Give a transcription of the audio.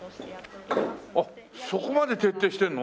そこまで徹底してるの？